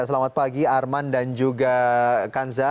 selamat pagi arman dan juga kanza